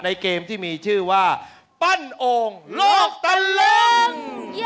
เกมที่มีชื่อว่าปั้นโอ่งโลกตะลึง